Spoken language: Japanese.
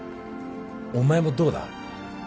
お前もどうだ？